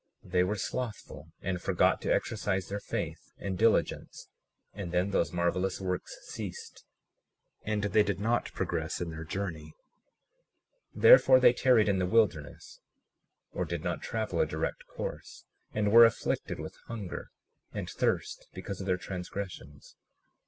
They were slothful, and forgot to exercise their faith and diligence and then those marvelous works ceased, and they did not progress in their journey; 37:42 Therefore, they tarried in the wilderness, or did not travel a direct course, and were afflicted with hunger and thirst, because of their transgressions.